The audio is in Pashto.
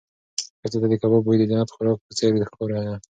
ښځې ته د کباب بوی د جنت د خوراک په څېر ښکارېده.